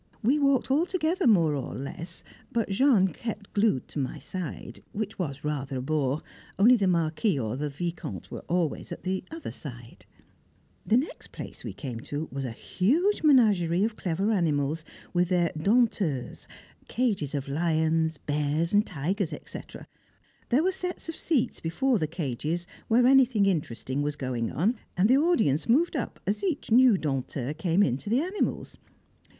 We walked all together more or less, but Jean kept glued to my side, which was rather a bore, only the Marquis or the Vicomte were always at the other side. [Sidenote: The Ennui of the Lions] The next place we came to was a huge menagerie of clever animals, with their Dompteurs cages of lions, bears, tigers, &c. There were sets of seats before the cages where anything interesting was going on, and the audience moved up as each new Dompteur came in to the animals.